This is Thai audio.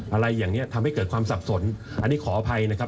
อะไรอย่างนี้ทำให้เกิดความสับสนอันนี้ขออภัยนะครับ